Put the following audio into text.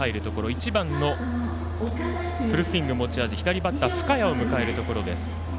１番のフルスイング持ち味左バッターの深谷を迎えるところ。